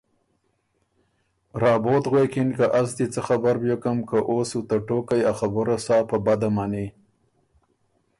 رابوت غوېکِن که از دی څۀ خبر بیوکم که او سو ته ټوقئ ا خبُره سا په بده مَنی